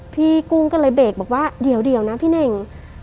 กุ้งก็เลยเบรกบอกว่าเดี๋ยวนะพี่เน่ง